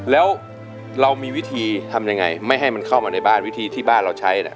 แล้วเรามีวิธีทำยังไงไม่ให้มันเข้ามาในบ้านวิธีที่บ้านเราใช้